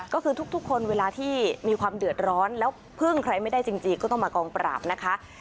ก็คือทุกคนเวลาที่มีความเดือดร้อนแล้วพึ่งใครไม่ได้จริงก็ต้องมากองปราบนะคะ